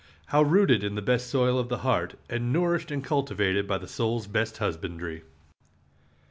how rooted in the best soil of the heart, and nourished and cultivated by the soul's best husbandry!